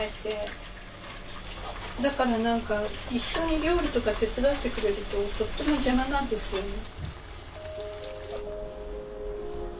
だから何か一緒に料理とか手伝ってくれるととっても邪魔なんですよね。